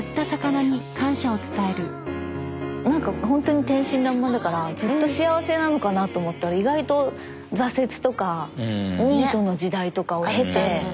なんかほんとに天真らんまんだからずっと幸せなのかなと思ったら意外と挫折とかニートの時代とかを経て。